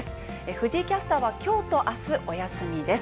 藤井キャスターはきょうとあす、お休みです。